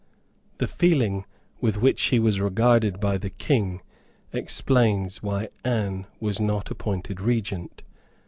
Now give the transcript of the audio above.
The feeling with which he was regarded by the King explains why Anne was not appointed Regent.